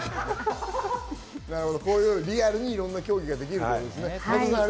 リアルにいろんな競技ができるということですね。